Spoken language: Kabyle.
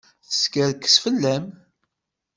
Teskerkes fell-am.